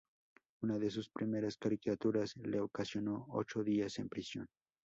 Una de sus primeras caricaturas le ocasionó ocho días en prisión.